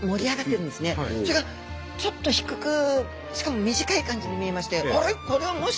それがちょっと低くしかも短い感じに見えまして。